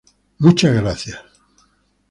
Muchas gracias".